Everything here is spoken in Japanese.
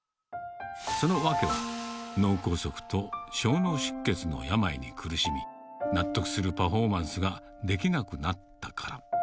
その訳は、脳梗塞と小脳出血の病に苦しみ、納得するパフォーマンスができなくなったから。